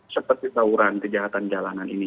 seperti tawuran kejahatan jalanan ini